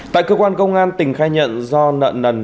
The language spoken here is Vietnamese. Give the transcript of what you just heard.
tại cơ quan công an tỉnh khai nhận do nợ nần